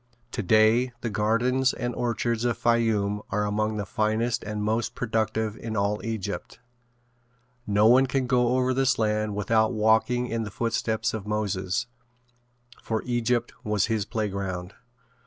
Today the gardens and orchards of Fayoum are among the finest and most productive in all Egypt. No one can go over this land without walking in the footsteps of Moses, for Egypt was his playground.